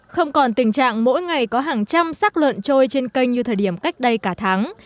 không còn tình trạng mỗi ngày có hàng trăm sắc lợn trôi trên kênh như thời điểm cách đây cả tháng